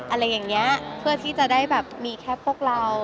อะไรอย่างเนี่ยเพื่อจะแบบมีแค่พวกเรา